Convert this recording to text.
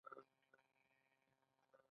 دا وړۍ په ټوکر باندې بدلې شوې دي.